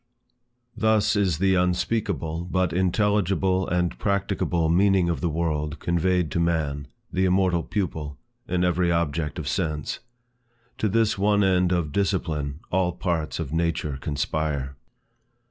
THUS is the unspeakable but intelligible and practicable meaning of the world conveyed to man, the immortal pupil, in every object of sense. To this one end of Discipline, all parts of nature conspire.